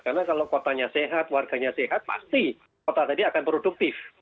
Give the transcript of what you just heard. karena kalau kotanya sehat warganya sehat pasti kota tadi akan produktif